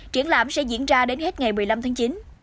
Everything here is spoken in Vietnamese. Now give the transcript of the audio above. triển lãm sẽ diễn ra đến hết ngày một mươi năm tháng chín